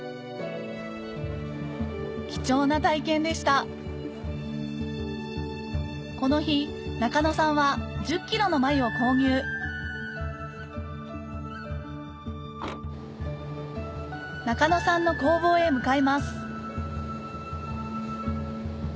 貴重な体験でしたこの日中野さんは１０ｋｇの繭を購入中野さんの工房へ向かいます